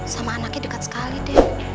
sama anaknya dekat sekali deh